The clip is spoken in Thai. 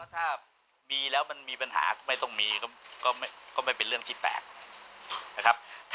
ถ้ามีแล้วมันมีปัญหาก็ไม่ต้องมีก็ไม่เป็นเรื่องที่แปลกนะครับ